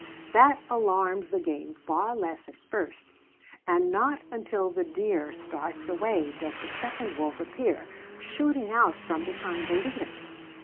That alarms the game far less at first; and not until the deer starts away does the second wolf appear, shooting out from behind the leader.